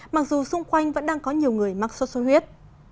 mặc dù xung quanh vẫn đang có nhiều người mắc sốt xuất huyết